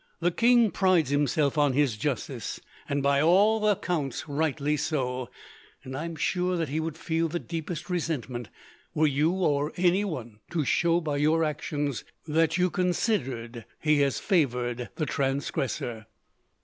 The king prides himself on his justice, and, by all accounts, rightly so; and I am sure that he would feel the deepest resentment, were you or anyone to show, by your actions, that you considered he has favoured the transgressor."